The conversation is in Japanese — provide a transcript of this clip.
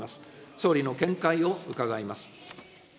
総理の見解を伺います。